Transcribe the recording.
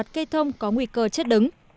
cây thông có nguy cơ chết đứng